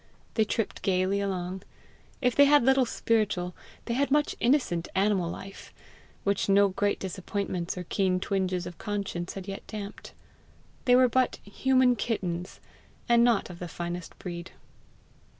They tripped gaily along. If they had little spiritual, they had much innocent animal life, which no great disappointments or keen twinges of conscience had yet damped. They were hut human kittens and not of the finest breed.